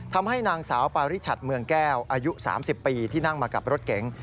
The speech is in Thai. ทำให้นางสาวปาริชัดเมืองแก้วอายุ๓๐ปีที่นั่งมากับรถเก๋ง